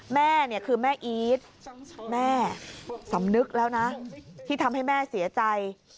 แม่เนี่ยคือแม่อีทแม่สำนึกแล้วนะที่ทำให้แม่เสียใจ